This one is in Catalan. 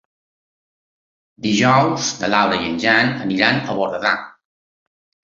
Dijous na Laura i en Jan aniran a Borredà.